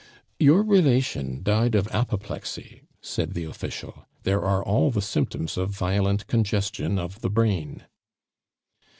"Your relations died of apoplexy," said the official. "There are all the symptoms of violent congestion of the brain."